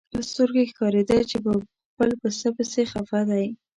له سترګو یې ښکارېده چې په خپل پسه پسې خپه دی.